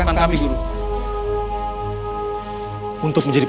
ini dua dik